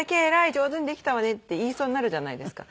上手にできたわね」って言いそうになるじゃないですか。